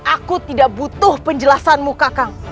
aku tidak butuh penjelasanmu kakang